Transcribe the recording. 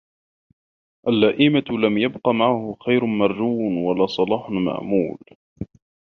اللَّئِيمَةِ ، لَمْ يَبْقَ مَعَهُ خَيْرٌ مَرْجُوٌّ وَلَا صَلَاحٌ مَأْمُولٌ